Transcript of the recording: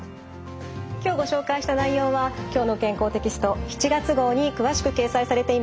今日ご紹介した内容は「きょうの健康」テキスト７月号に詳しく掲載されています。